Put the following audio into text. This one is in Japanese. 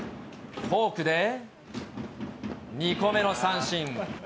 フォークで２個目の三振。